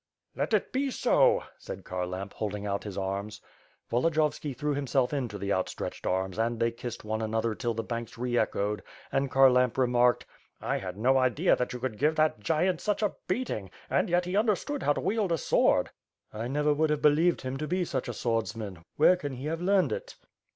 "Let it be so!" said Kharlamp, holding out his arms. Volodiyovski threw himself into the outstretched arms and they kissed one another till the banks re echoed, and Khar lamp remarked: "1 had no idea that you could give that giant such a beat ing! And yet he understood how to wield a sword?" "I never would have believed him to be such a swordsman^ where can he have learned it?"